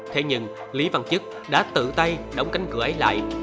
thế nhưng lý văn chức đã tự tay đóng cánh cửa ấy lại